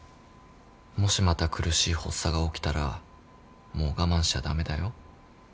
もしまた苦しい発作が起きたらもう我慢しちゃ駄目だよ。